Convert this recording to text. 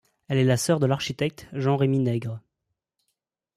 Elle est la sœur de l'architecte Jean-Rémi Nègre.